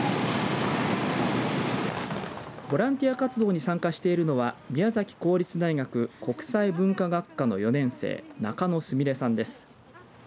ボランティア活動に参加しているのは宮崎公立大学国際文化学科の４年生中野すみれさんです。